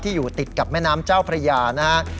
อยู่ติดกับแม่น้ำเจ้าพระยานะฮะ